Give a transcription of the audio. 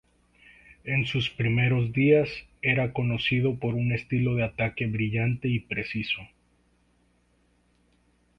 En sus primeros días, era conocido por un estilo de ataque brillante y preciso.